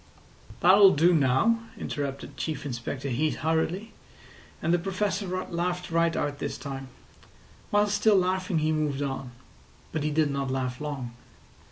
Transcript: "That'll do now," interrupted Chief Inspector Heat hurriedly; and the Professor laughed right out this time. While still laughing he moved on; but he did not laugh long.